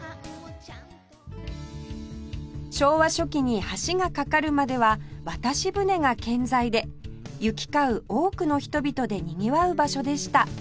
昭和初期に橋が架かるまでは渡し舟が健在で行き交う多くの人々でにぎわう場所でした